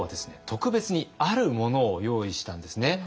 特別にあるものを用意したんですね。